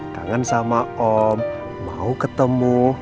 kangen sama om mau ketemu